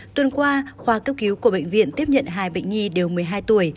tuần qua khoa cấp cứu của bệnh viện tiếp nhận hai bệnh nhi đều một mươi hai tuổi